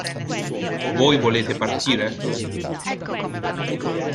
Voi volete partire?